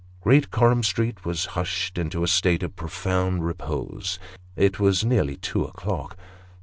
Great Coram Street was hushed into a state of profound repose : it was nearly two o'clock.